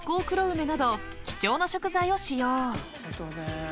［貴重な食材を使用］